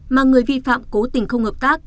mà người vi phạm cố tình không hợp tác